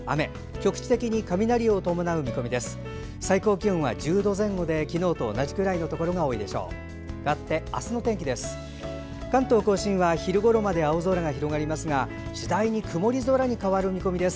局地的に雷を伴う見込みです。